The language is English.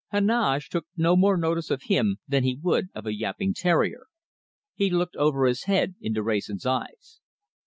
Heneage took no more notice of him than he would of a yapping terrier. He looked over his head into Wrayson's eyes.